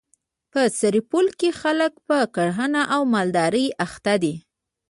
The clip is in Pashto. په سرپل کي خلک په کرهڼه او مالدري اخته دي.